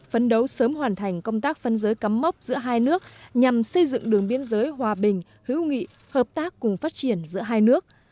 phấn đấu sớm hoàn thành công tác phân giới cắm mốc giữa hai nước nhằm xây dựng đường biên giới hòa bình hữu nghị hợp tác cùng phát triển giữa hai nước